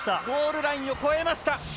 ゴールラインを越えました。